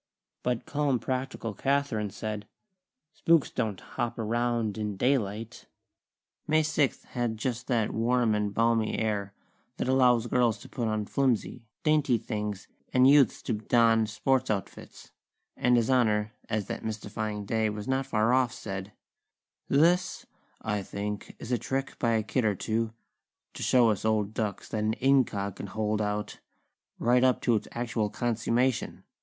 But calm, practical Kathlyn said: "Spooks don't hop around in daylight." May sixth had just that warm and balmy air that allows girls to put on flimsy, dainty things, and youths to don sports outfits; and His Honor, as that mystifying day was not far off, said: "This, I think, is a trick by a kid or two, to show us old ducks that an 'incog' can hold out, right up to its actual consummation.